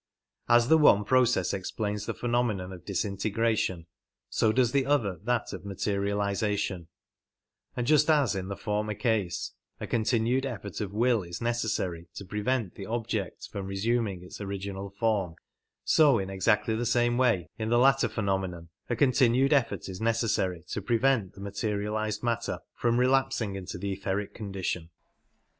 As the one process explains the phenomenon of disintegration, so does the other that of materialization ; and just as in ^StSn ^^ former case a continued effort of will is necessary to prevent the object from resuming its original form, so in exactly the same way in the latter phenomenon a continued effort is necessary to prevent the materialized matter from relapsing into the etheric condition.